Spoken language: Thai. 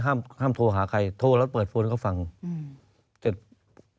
ห้ามห้ามโทรหาใครโทรแล้วเปิดโฟนเขาฟังอืม